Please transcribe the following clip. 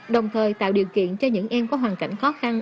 đồng thời tạo điều kiện cho những em có hoàn cảnh khó khăn